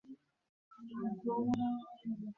পরার্থে এতটুকু কাজ করলে ভেতরের শক্তি জেগে ওঠে।